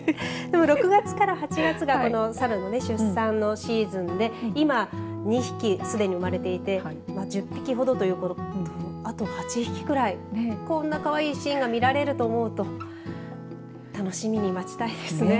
６月から８月がサルの出産のシーズンで今、２匹すでに生まれていて１０匹ほどということであと８匹くらい、こんなかわいいシーンが見られると思うと楽しみに待ちたいですね。